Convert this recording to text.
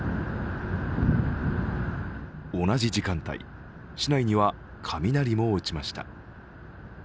同じ時間帯、市内には雷も落ちました。